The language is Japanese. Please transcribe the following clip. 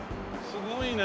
すごいね。